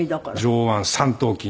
上腕三頭筋。